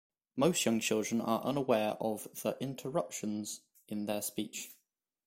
Most young children are unaware of the interruptions in their speech.